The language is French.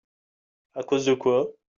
À cause de quoi ?